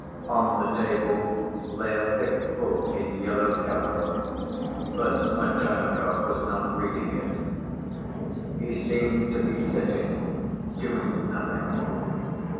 On the table lay a thick book in yellow cover, but Smerdyakov was not reading it. He seemed to be sitting doing nothing.